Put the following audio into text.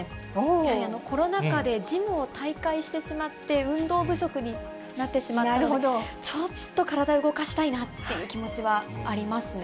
やはりコロナ禍でジムを退会してしまって、運動不足になってしまったので、ちょっと体動かしたいなっていう気持ちはありますね。